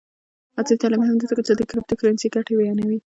عصري تعلیم مهم دی ځکه چې د کریپټو کرنسي ګټې بیانوي.